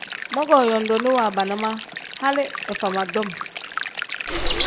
Mogoo yodooni waabana ma hali ifama tom.